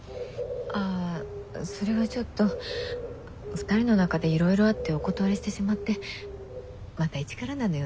あそれがちょっと２人の中でいろいろあってお断りしてしまってまた一からなのよね。